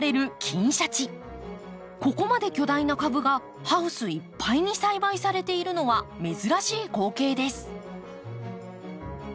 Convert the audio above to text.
ここまで巨大な株がハウスいっぱいに栽培されているのは珍しい光景です。